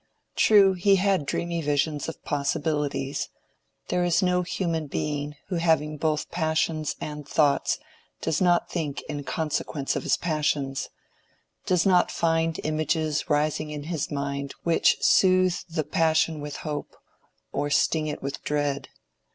True, he had dreamy visions of possibilities: there is no human being who having both passions and thoughts does not think in consequence of his passions—does not find images rising in his mind which soothe the passion with hope or sting it with dread.